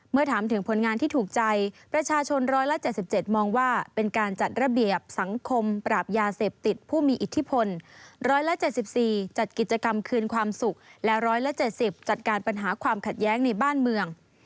เมื่อถามถึงผลงานที่ถูกใจประชาชนร้อยละเจ็ดสิบเจ็ดมองว่าเป็นการจัดระเบียบสังคมปราบยาเสพติดผู้มีอิทธิพลร้อยละเจ็ดสิบสี่จัดกิจกรรมคืนความสุขและร้อยละเจ็ดสิบจัดการปัญหาความขัดแย้งในบ้านเมือง